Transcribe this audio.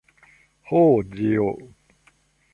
Ho Dio!